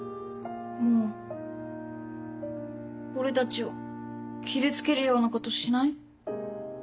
もう俺たちを傷つけるようなことしない？